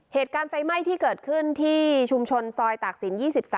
เหตุการณ์ไฟไหม้ที่เกิดขึ้นที่ชุมชนซอยตากศิลป๒๓